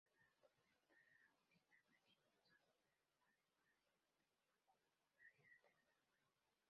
Madam", donde dará vida a Gwi-soon, la mejor agente en Corea del Norte.